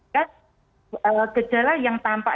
kejala yang tampak